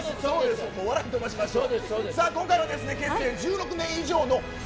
笑い飛ばしましょう。